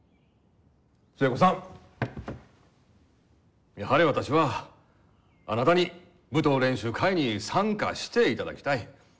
寿恵子さんやはり私はあなたに舞踏練習会に参加していただきたい。